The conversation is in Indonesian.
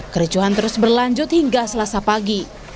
kericuhan terus berlanjut hingga selasa pagi